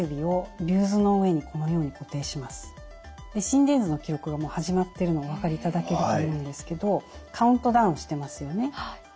心電図の記録がもう始まってるのお分かりいただけると思うんですけどカウントダウンしてますよね。